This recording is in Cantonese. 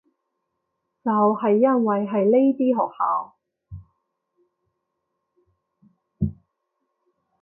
就係因為係呢啲學校